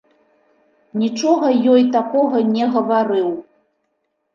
Нічога ёй такога не гаварыў.